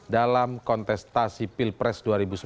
dalam kontestasi pilpres dua ribu sembilan belas